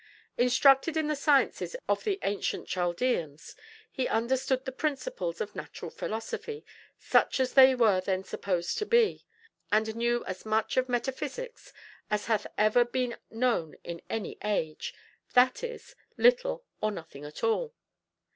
Instructed in the sciences of the ancient Chaldeans, he understood the principles of natural philosophy, such as they were then supposed to be; and knew as much of metaphysics as hath ever been known in any age, that is, little or nothing at all.